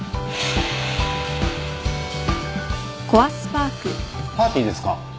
パーティーですか？